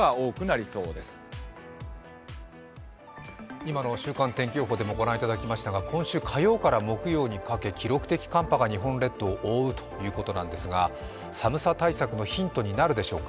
今の週間天気予報でもご覧いただきましたが今週火曜から木曜にかけて記録的寒波が日本列島を覆うということなんですが寒さ対策のヒントになるでしょうか。